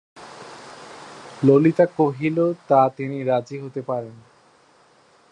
ললিতা কহিল, তা তিনি রাজি হতে পারেন।